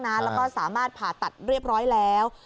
แล้วก็สามารถผ่าตัดเรียบร้อยแล้ว